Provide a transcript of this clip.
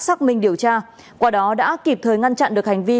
xác minh điều tra qua đó đã kịp thời ngăn chặn được hành vi